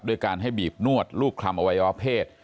ด้วยการให้บีบนวดลูกคลำอวัยวะเพศ